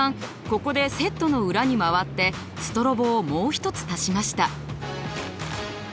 ここでセットの裏に回ってストロボをもう一つ足しました。